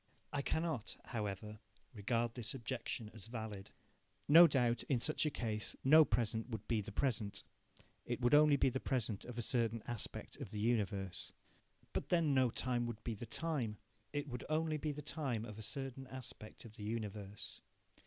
I cannot, however, regard this objection as valid. No doubt, in such a case, no present would be the present it would only be the present of a certain aspect of the universe. But then no time would be the time it would only be the time of a certain aspect of the universe.